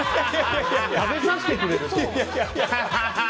食べさせてくれるって？